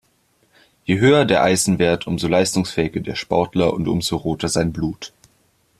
Je höher der Eisenwert, umso leistungsfähiger der Sportler und umso roter sein Blut.